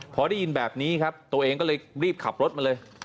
พอได้ยินแบบนี้ครับตัวเองก็เลยรีบขับรถมาเลย